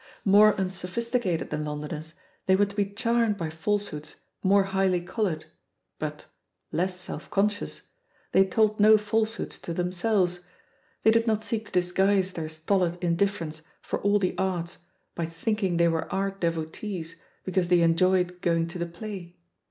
More unsophisticated than Londoners, they were to be charmed by falsehoods more highly coloured; but, less self conscious, they told no falsehoods to themselves — ^they did not seek to disguise their stolid indifference for all the arts by thinking they were art devotees because they enjoyed go ing to the play.